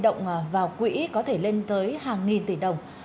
với số tiền huy động vào quỹ có thể lên tới hàng nghìn tỷ đồng